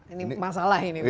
ini masalah ini